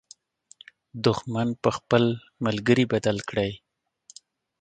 دښمن په خپل ملګري بدل کړئ.